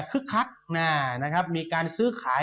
คึกคักมีการซื้อขาย